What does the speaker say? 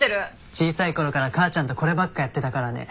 小さい頃から母ちゃんとこればっかやってたからね。